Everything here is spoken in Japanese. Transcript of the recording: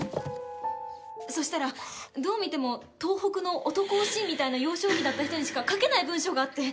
そしたらどう見ても「東北の男おしん」みたいな幼少期だった人にしか書けない文章があって。